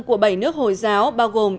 của bảy nước hồi giáo bao gồm